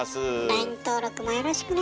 ＬＩＮＥ登録もよろしくね。